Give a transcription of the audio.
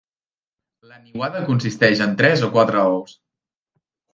La niuada consisteix en tres o quatre ous.